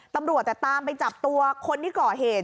ตำรวจตามไปจับตัวคนที่ก่อเหตุ